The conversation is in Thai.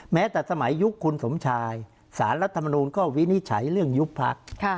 แม้แต่สมัยยุคคุณสมชายสารรัฐมนูลก็วินิจฉัยเรื่องยุบพัก